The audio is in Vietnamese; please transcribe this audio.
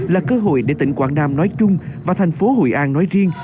là cơ hội để tỉnh quảng nam nói chung và thành phố hội an nói riêng